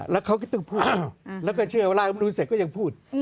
แล้วเขาก็ต้องพูดแล้วก็เชื่อว่าร่างอำนูนเสร็จก็ยังพูด